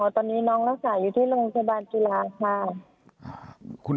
ตอนนี้น้องรักษาอยู่ที่โรงพยาบาลจุฬาค่ะ